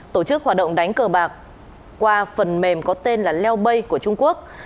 tổ chức hoạt động đánh cờ bạc qua phần mềm có tên là leo bay của trung quốc